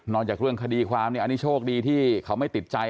จากเรื่องคดีความเนี่ยอันนี้โชคดีที่เขาไม่ติดใจ